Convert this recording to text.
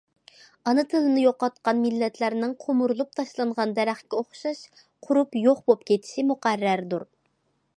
ئانا تىلىنى يوقاتقان مىللەتلەرنىڭ قومۇرۇلۇپ تاشلانغان دەرەخكە ئوخشاش قۇرۇپ يوق بولۇپ كېتىشى مۇقەررەردۇر.